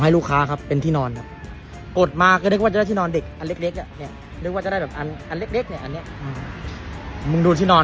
ใกล้ใกล้ส่งพี่เองไงใช่ใช่มันส่งสองซอย